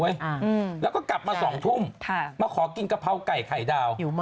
อืมแล้วก็กลับมาสองทุ่มค่ะมาขอกินกะเพราไก่ไข่ดาว